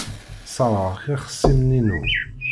Ṣerɛeɣ ixṣimen-inu.